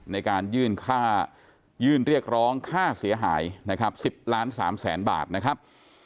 ในการยื่นค่ายื่นเรียกร้องค่าเสียหายนะครับ๑๐ล้าน๓แสนบาทนะครับ